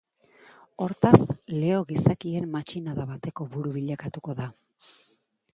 Hortaz, Leo gizakien matxinada bateko buru bilakatuko da.